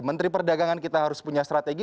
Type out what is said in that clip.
menteri perdagangan kita harus punya strategi